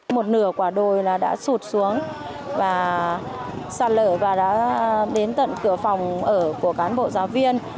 một nửa quả đồi đã sụt xuống và sạt lở và đã đến tận cửa phòng ở của cán bộ giáo viên